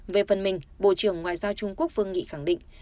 về phần mình bộ trưởng ngoại giao trung quốc vương nghị khẳng định